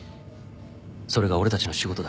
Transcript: それが俺たちの仕事だ。